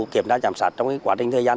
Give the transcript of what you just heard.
kiểm tra chăm sát trong cái quá trình thời gian